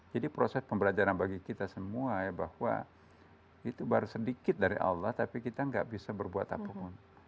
jadi proses pembelajaran bagi kita semua ya bahwa itu baru sedikit dari allah tapi kita tidak bisa berbuat apapun